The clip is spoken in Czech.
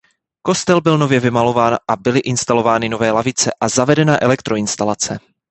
Kostel byl nově vymalován a byly instalovány nové lavice a zavedena elektroinstalace.